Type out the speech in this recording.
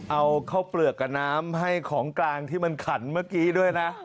เอาข้าวเปลือกกับน้ำให้ของกลางที่มันขันเมื่อกี้ด้วยนะ